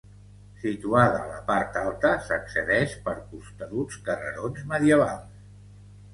Situada a la part alta, s'accedeix per costeruts carrerons medievals.